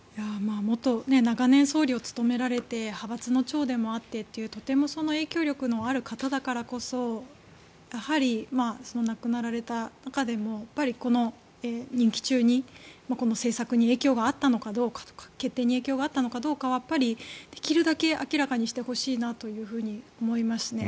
長年、総理を務められて派閥の長でもあってというとても影響力のある方だからこそ亡くなられた中でも任期中に政策に影響があったのかどうかとか決定に影響があったのかどうかはやっぱりできるだけ明らかにしてほしいなと思いますね。